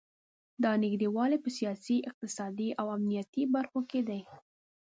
دا نږدې والی په سیاسي، اقتصادي او امنیتي برخو کې دی.